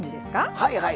はいはい。